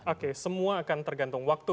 oke semua akan tergantung waktu